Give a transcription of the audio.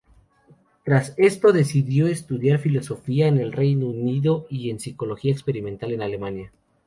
Tras esto, decidió estudiar filosofía en el Reino Unido y psicología experimental en Alemania.